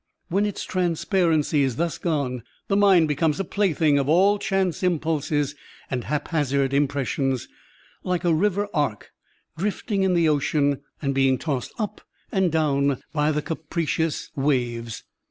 When its trans parency is thus gone, the mind becomes a play thing of all chance impulses and haphazard impressions, like a river ark drifting in the ocean and being tossed up and down by the capricious Digitized by Google THB MIDDLE WAY 97 waves.